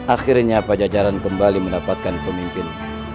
akhirnya pajajaran kembali mendapatkan pemimpin